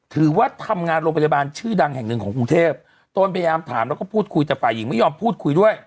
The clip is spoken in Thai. ถือว่าทำงานโรงพยาบาลชื่อดังแห่งหนึ่งของกรุงเทพตนพยายามถามแล้วก็พูดคุยแต่ฝ่ายหญิงไม่ยอมพูดคุยด้วย